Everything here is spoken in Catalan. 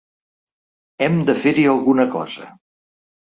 Hem de fer-hi alguna cosa.